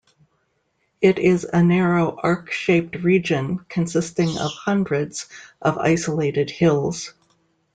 It is a narrow, arc-shaped region consisting of hundreds of isolated hills.